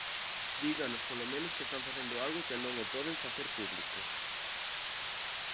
Díganos, polo menos, que están facendo algo e que non o poden facer público.